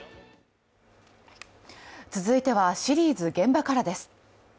続いてはシリーズ「現場から」です。